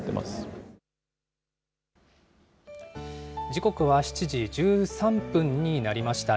時刻は７時１３分になりました。